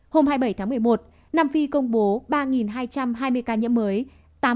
hôm hai mươi bảy tháng một mươi một nam phi công bố ba hai trăm hai mươi ca nhiễm mới tám mươi hai nằm ở gauteng